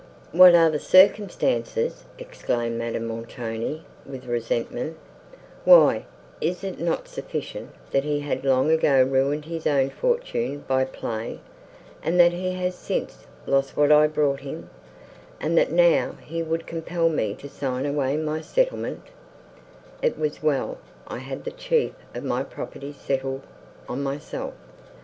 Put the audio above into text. "What are the circumstances!" exclaimed Madame Montoni with resentment: "why is it not sufficient, that he had long ago ruined his own fortune by play, and that he has since lost what I brought him—and that now he would compel me to sign away my settlement (it was well I had the chief of my property settled on myself!)